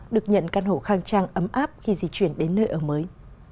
được nhận căn hộ khang trang ấm áp khi di chuyển đến nơi ở mới